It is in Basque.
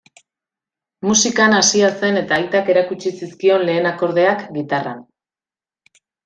Musikan hasia zen eta aitak erakutsi zizkion lehen akordeak gitarran.